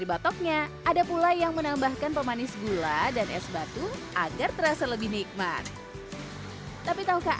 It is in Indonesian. ada kelapa hijau